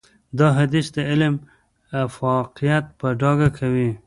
دا حديث د علم افاقيت په ډاګه کوي.